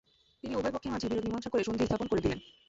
তিনি উভয় পক্ষের মাঝে বিরোধ মীমাংসা করে সন্ধি স্থাপন করে দিলেন।